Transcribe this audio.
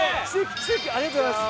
奇跡ありがとうございます！